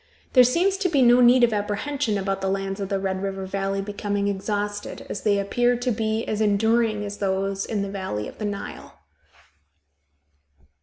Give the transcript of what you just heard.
There seems to be no need of apprehension about the lands of the Red River Valley becoming exhausted, as they appear to be as enduring as those in the valley of the Nile.